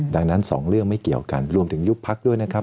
ดังนั้นสองเรื่องไม่เกี่ยวกันรวมถึงยุบพักด้วยนะครับ